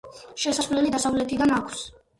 შესასვლელი დასავლეთიდან აქვს.